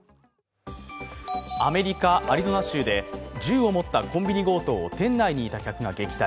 アメリカ・アリゾナ州で銃を持ったコンビニ強盗を店内にいた客が撃退。